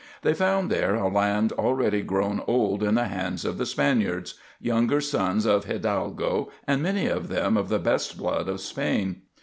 They found there a land already grown old in the hands of the Spaniards younger sons of hidalgo and many of them of the best blood of Spain.